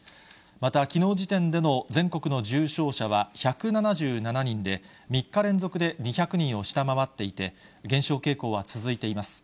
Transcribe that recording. また、きのう時点での全国の重症者は１７７人で、３日連続で２００人を下回っていて、減少傾向は続いています。